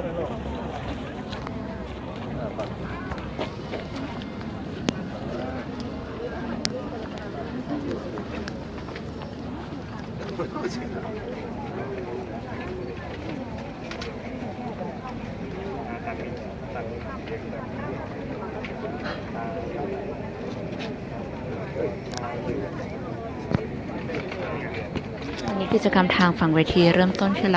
มันเป็นสิ่งที่จะให้ทุกคนรู้สึกว่ามันเป็นสิ่งที่จะให้ทุกคนรู้สึกว่า